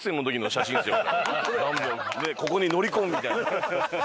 ここに乗り込むみたいな。